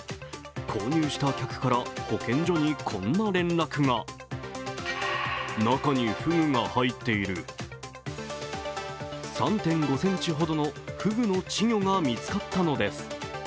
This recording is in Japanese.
購入した客から保健所にこんな連絡が３．５ｃｍほどのふぐの稚魚が見つかったのです。